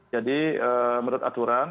jadi menurut aturan